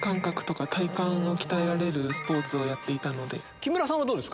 木村さんはどうですか？